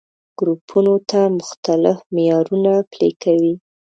ګروپونو ته مختلف معيارونه پلي کوي.